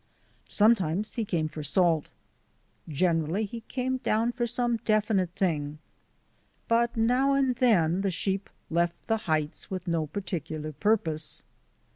Sometimes he came for salt. Generally he came down for some definite thing, but now and then the sheep left the heights with no particular purpose.